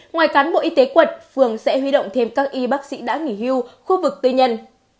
ngoài cán bộ y tế quận phường sẽ huy động thêm các y bác sĩ đã nghỉ hưu khu vực tư nhân